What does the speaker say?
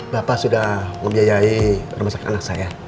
bapak sudah membiayai rumah sakit anak saya